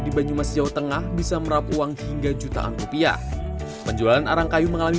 di banyumas jawa tengah bisa merap uang hingga jutaan rupiah penjualan arang kayu mengalami